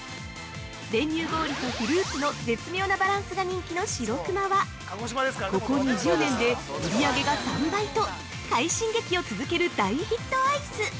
練乳氷とフルーツの絶妙なバランスが人気の白くまは、ここ２０年で売上が３倍と快進撃を続ける大ヒットアイス！